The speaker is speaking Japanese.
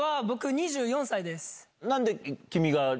年は僕２４歳です。